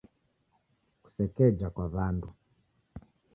Kusekeja kwa w'andu.